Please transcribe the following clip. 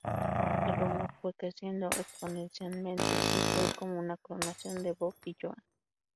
El rumor fue creciendo exponencialmente y fue como una coronación de Bob y Joan.